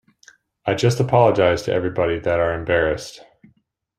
I just apologize to everybody that are embarrassed.